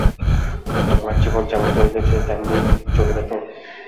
তোমার জীবন যেমন চলিতেছে, তেমনি চলিবে তো।